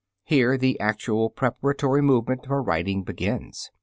Here the actual preparatory movement for writing begins.